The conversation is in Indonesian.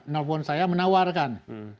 telepon saya menawarkan